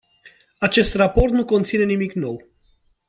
Acest raport nu conține nimic nou.